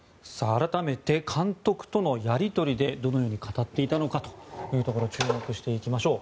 改めて監督とのやり取りでどのように語っていたのか注目していきましょう。